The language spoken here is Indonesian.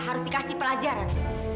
harus dikasih pelajaran